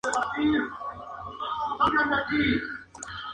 Sin embargo, tanto el castillo y el parque están ahora bajo protección estricta.